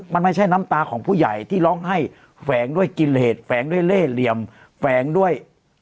มันไม่ใช่น้ำตาของผู้ใหญ่ที่ร้องไห้แฝงด้วยกิเลสแฝงด้วยเล่เหลี่ยมแฝงด้วย